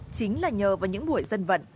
chính là nhờ vào những buổi dân vận